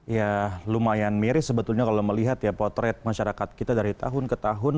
ya lumayan miris sebetulnya kalau melihat ya potret masyarakat kita dari tahun ke tahun